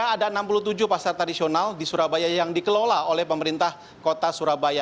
ada enam puluh tujuh pasar tradisional di surabaya yang dikelola oleh pemerintah kota surabaya